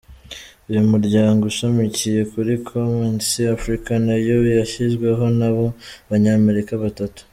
Uyu muryango ushamikiye kuri “Come and See Africa” nayo yashyizweho n’abo banyamerika batatu.